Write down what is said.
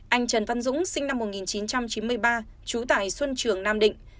anh trần văn dũng sinh năm một nghìn chín trăm chín mươi ba trú tại xuân trường nam định